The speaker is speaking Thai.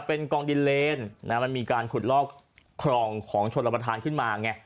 เป็นกล่องดินเลนส์มันมีการขุดลอกคลองของโชนรับทาง